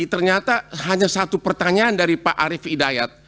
ternyata hanya satu pertanyaan dari pak arief hidayat